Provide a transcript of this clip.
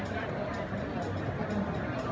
พี่แม่ที่เว้นได้รับความรู้สึกมากกว่า